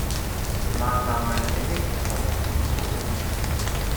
Maar naar mijn mening is dat toch niet voldoende.